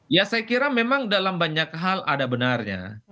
ya saya kira memang dalam banyak hal ada benarnya